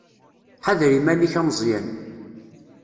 Ḥader iman-ik a Meẓyan.